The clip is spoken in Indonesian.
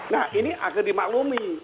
nah ini agak dimaklumi